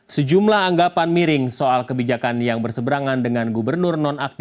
sejumlah anggapan miring soal kebijakan yang berseberangan dengan gubernur